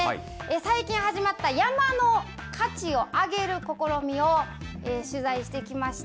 最近始まった、山の価値を上げる試みを取材してきました。